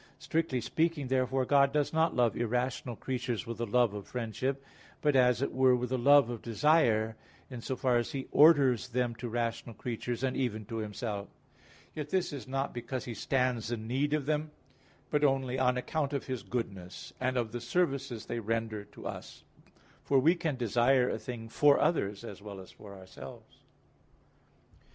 Strictly speaking, therefore, God does not love irrational creatures with the love of friendship; but as it were with the love of desire, in so far as He orders them to rational creatures, and even to Himself. Yet this is not because He stands in need of them; but only on account of His goodness, and of the services they render to us. For we can desire a thing for others as well as for ourselves.